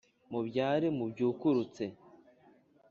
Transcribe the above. mubyare mubyukurutse